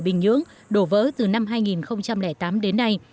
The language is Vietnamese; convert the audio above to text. hình ưỡng đổ vỡ từ năm hai nghìn tám đến nay